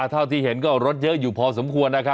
เท่าที่เห็นก็รถเยอะอยู่พอสมควร